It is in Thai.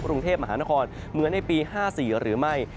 กรุงเทพมหานครเหมือนในปี๕๔หรือไม่